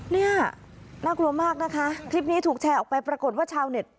เนี่ยน่ากลัวมากนะคะคลิปนี้ถูกแชร์ออกไปปรากฏว่าชาวเน็ต